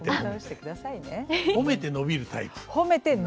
褒めて伸びるタイプ？